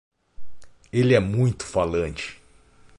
Ele é muito falante.